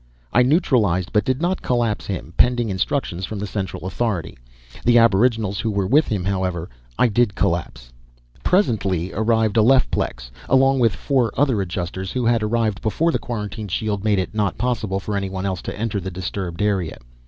I neutralized but did not collapse him, pending instructions from the Central Authority. The aboriginals who were with him, however, I did collapse. Presently arrived Alephplex, along with four other Adjusters who had arrived before the quarantine shield made it not possible for anyone else to enter the disturbed area.